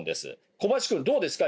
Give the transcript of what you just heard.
小林くんどうですか？